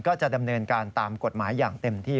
ก็จะดำเนินการตามกฎหมายอย่างเต็มที่